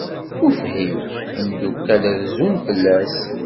Ufhim, imeddukal rezzun fell-as.